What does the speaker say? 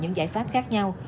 những giải pháp khác nhau